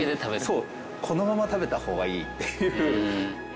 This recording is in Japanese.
そうこのまま食べた方がいいっていう。